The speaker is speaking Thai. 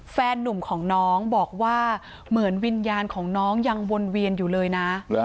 แฟนนุ่มของน้องบอกว่าเหมือนวิญญาณของน้องยังวนเวียนอยู่เลยนะ